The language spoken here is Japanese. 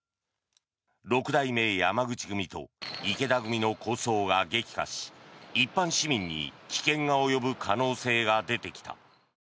六代目山口組と池田組の抗争が激化し一般市民に危険が及ぶ可能性が出てきた。